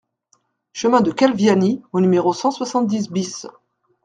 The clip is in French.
Chemin de Calviani au numéro cent soixante-dix BIS